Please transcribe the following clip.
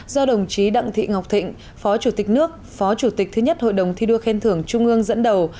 do đồng chí đặng thị ngọc thịnh phó chủ tịch nước phó chủ tịch thứ nhất hội đồng thi đua khen thưởng trung ương dẫn đầu